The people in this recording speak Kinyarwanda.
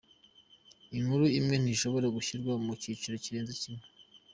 Inkuru imwe ntishobora gushyirwa mu cyiciro kirenze kimwe.